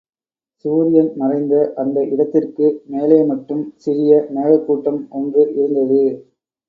சூரியன் மறைந்த அந்த இடத்திற்கு மேலே மட்டும் சிறிய மேகக் கூட்டம் ஒன்று இருந்தது.